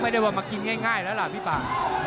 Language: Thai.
ไม่ได้ว่ามากินง่ายแล้วล่ะพี่ป่า